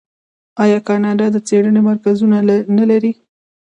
آیا کاناډا د څیړنې مرکزونه نلري؟